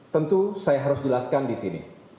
tentu saya harus jelaskan disini